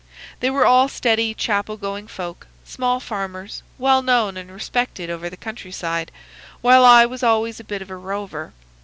They were all steady, chapel going folk, small farmers, well known and respected over the country side, while I was always a bit of a rover.